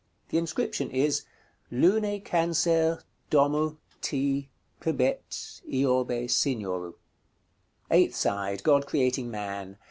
The inscription is: "LUNE CANCER DOMU T. PBET IORBE SIGNORU." § CXV. Eighth side. God creating Man.